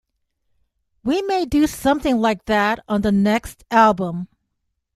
We may do something like that on the next album.